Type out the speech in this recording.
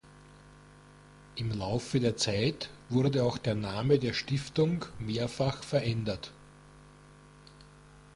Im Laufe der Zeit wurde auch der Name der Stiftung mehrfach verändert.